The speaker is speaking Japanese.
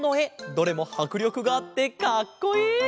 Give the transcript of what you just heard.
どれもはくりょくがあってかっこいい！